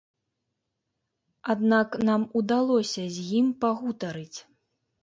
Аднак нам удалося з ім пагутарыць.